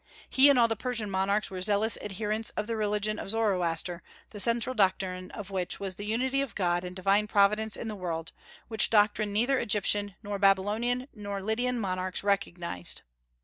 He and all the Persian monarchs were zealous adherents of the religion of Zoroaster, the central doctrine of which was the unity of God and Divine Providence in the world, which doctrine neither Egyptian nor Babylonian nor Lydian monarchs recognized.